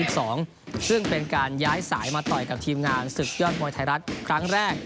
ซึ่งเป็นการย้ายสายมาต่อยกับทีมงานศึกยอดมวยไทยรัฐครั้งแรก